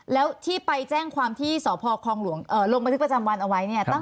แล้วที่ไปแจ้งความที่สพคลองหลวงลงบันทึกประจำวันเอาไว้เนี่ย